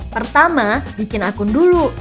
pertama bikin akun dulu